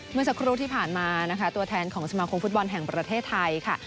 เมื่อสักครู่ที่ผ่านมานะคะตัวแทนของสมาคมฟุตบอลแห่งประเทศไทยค่ะ